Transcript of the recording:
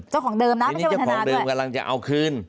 เจ้าของเดิมนะอันนี้เจ้าของเดิมกำลังจะเอาคืน